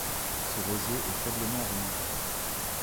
Ce rosier est faiblement remontant.